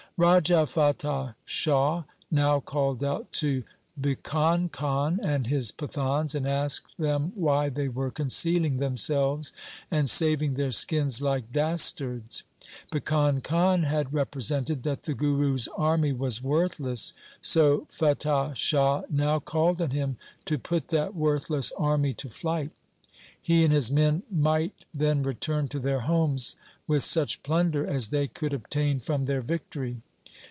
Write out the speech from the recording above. Raja Fatah Shah now called out to Bhikan Khan and his Pathans, and asked them why they were concealing themselves and saving their skins like dastards. Bhikan Khan had represented that the Guru's army was worthless, so Fatah Shah now called on him to put that worthless army to flight. He and his men might then return to their homes with such plunder as they could obtain from their victory.